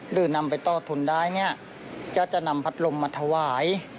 หรือนำไปต่อทุนได้เนี่ยก็จะนำพัดลมมาถวาย